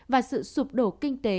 và sự sụp đổ kinh tế